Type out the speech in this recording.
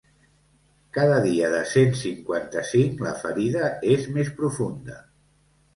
Cada dia de cent cinquanta-cinc la ferida és més profunda.